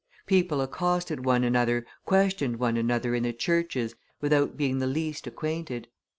People accosted one another, questioned one another in the churches, without being the least acquainted.